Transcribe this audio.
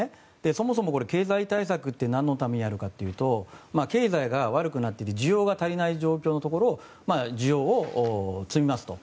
そもそもこれ経済対策ってなんのためにやるかというと経済が悪くなって需要が足りない状況のところを需要を積み増すと。